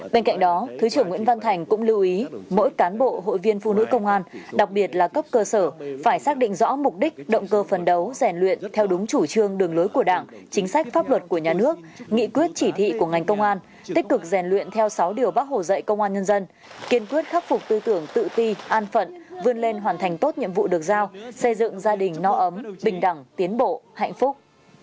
bên cạnh đó thứ trưởng nguyễn văn thành cũng lưu ý mỗi cán bộ hội viên phụ nữ công an đặc biệt là cấp cơ sở phải xác định rõ mục đích động cơ phần đấu rèn luyện theo đúng chủ trương đường lối của đảng chính sách pháp luật của nhà nước nghị quyết chỉ thị của ngành công an tích cực rèn luyện theo sáu điều bác hồ dạy công an nhân dân kiên quyết khắc phục tư tưởng tự ti an phận vươn lên hoàn thành tốt nhiệm vụ được giao xây dựng gia đình no ấm bình đẳng tiến bộ hạnh phúc